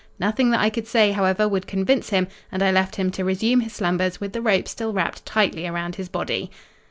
Nothing that I could say, however, would convince him, and I left him to resume his slumbers with the rope still wrapped tightly about his body."